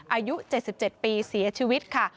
อายุ๗๗ปีเสียชีวิตค่ะ